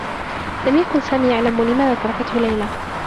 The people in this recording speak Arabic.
لم يكن سامي يعلم لماذا تركته ليلى.